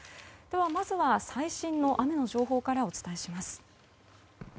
では、まずは最新の雨の情報からお伝えします。